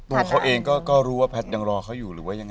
ตัวเขาเองก็รู้ว่าแพทย์ยังรอเขาอยู่หรือว่ายังไง